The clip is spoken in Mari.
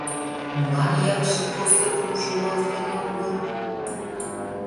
Молан Якшик Осыпым шогалтен огыл?